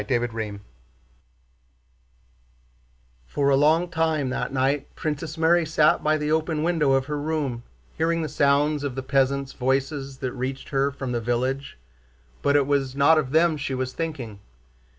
CHAPTER XII For a long time that night Princess Mary sat by the open window of her room hearing the sound of the peasants' voices that reached her from the village, but it was not of them she was thinking.